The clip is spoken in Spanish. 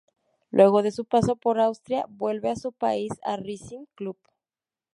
Luego de su paso por Austria vuelve a su país a Racing Club.